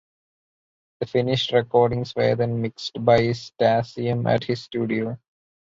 The finished recordings were then mixed by Stasium at his studio.